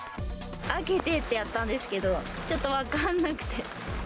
開けてってやったんですけど、ちょっと分かんなくて。